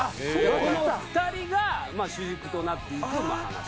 この２人が主軸となっていく話。